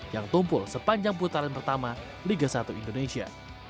yang tumpul sepanjang putaran pertama liga satu indonesia